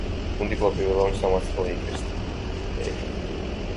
გუნდი კვლავ პირველ რაუნდში დამარცხდა ლეიკერსთან.